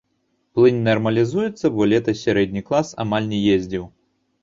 Плынь нармалізуецца, бо летась сярэдні клас амаль не ездзіў.